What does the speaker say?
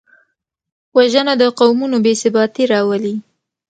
وژنه د قومونو بېثباتي راولي